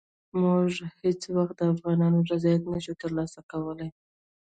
موږ هېڅ وخت د افغانانو رضایت نه شو ترلاسه کولای.